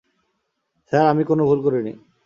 Sir, আমি কোনও ভুল করিনি।